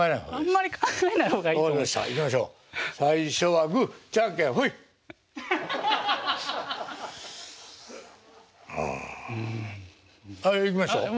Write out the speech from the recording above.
はいいきますよ。